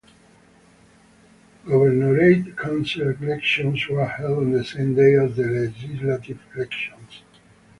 Governorate council elections were held on the same day as the legislative elections.